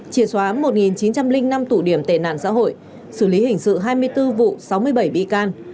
triệt xóa một chín trăm linh năm tụ điểm tệ nạn xã hội xử lý hình sự hai mươi bốn vụ sáu mươi bảy bị can